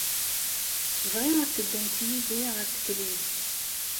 Bɣiɣ ad teddumt yid-i ɣer teklizt.